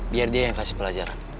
biar dia yang kasih pelajaran